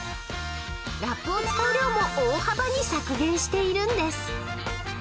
［ラップを使う量も大幅に削減しているんです］